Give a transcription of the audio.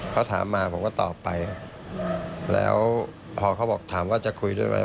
เขาถามมาผมก็ตอบไปแล้วพอเขาบอกถามว่าจะคุยด้วยไหม